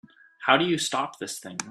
How do you stop this thing?